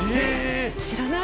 知らない？